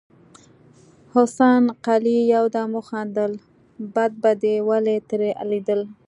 حسن قلي يودم وخندل: بد به دې ولې ترې ليدل.